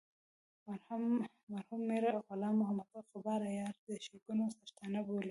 مرحوم میر غلام محمد غبار عیاران د ښیګڼو څښتنان بولي.